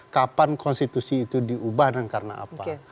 kapan konstitusi itu diubah dan karena apa